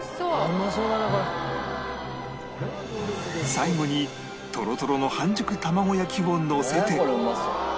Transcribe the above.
最後にトロトロの半熟卵焼きをのせて